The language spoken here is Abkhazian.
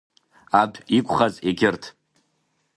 Адә иқәхаз егьырҭ…